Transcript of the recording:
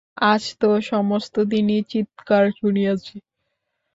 আজ তো সমস্তদিনই চীৎকার শুনিয়াছি।